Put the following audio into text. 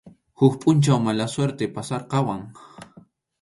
Huk pʼunchaw mala suerte pasarquwan.